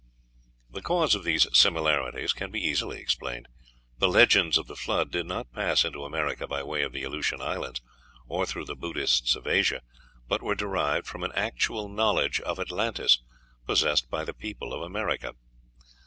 The cause of these similarities can be easily explained: the legends of the Flood did not pass into America by way of the Aleutian Islands, or through the Buddhists of Asia, but were derived from an actual knowledge of Atlantis possessed by the people of America.